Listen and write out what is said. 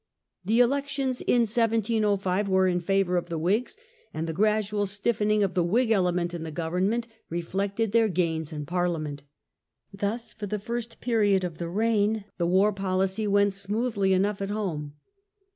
The elections in 1705 were in favour of the Whigs, and the gradual stiffen ing of the Whig element in the government reflected their gains in Parliament. Thus, for the first period of the reign, the war policy went smoothly enough at home.